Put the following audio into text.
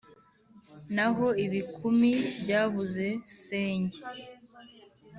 naho ibikumi byabuze senge,